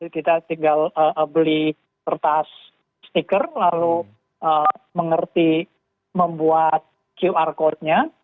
kita tinggal beli kertas stiker lalu mengerti membuat qr code nya